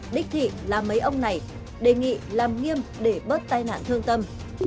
đích thị làm mấy ông này đề nghị làm nghiêm để bớt tai nạn thương tâm